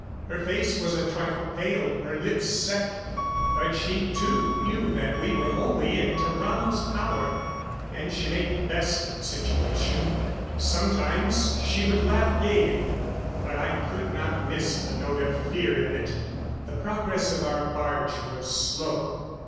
Her face was a trifle pale, her lips set. But she, too, knew that we were wholly in Tarrano's power, and she made the best of the situation. Sometimes she would laugh gayly; but I could not miss the note of fear in it. The progress of our barge was slow.